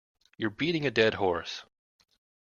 You're beating a dead horse